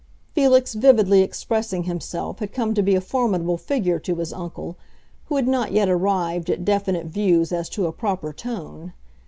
Felix vividly expressing himself had come to be a formidable figure to his uncle, who had not yet arrived at definite views as to a proper tone.